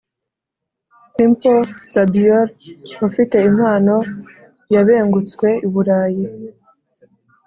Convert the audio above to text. simpo sabior ufite impano yabengutswe I burayi